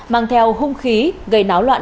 mang theo hung khí gây náo loạn